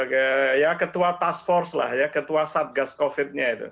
jeffrey zients itu diangkat sebagai ketua task force ketua satgas covid nya